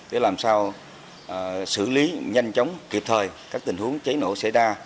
để làm sao xử lý nhanh chóng kịp thời các tình huống cháy nổ xảy ra